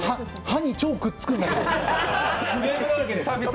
歯に超くっつくんだけど。